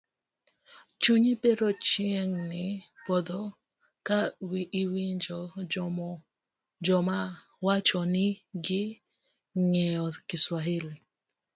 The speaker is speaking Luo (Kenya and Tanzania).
Chunyi biro chiegni podho ka iwinjo joma wacho ni gi ng'eyo Kiswahili